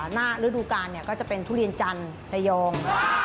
ฤดูกาลก็จะเป็นทุเรียนจันทร์ระยอง